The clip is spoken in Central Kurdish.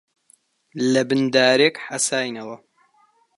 لەبن دارێک حەساینەوە